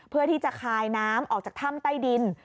เพื่อที่จะคายน้ำออกจากถ้ำใต้ดิน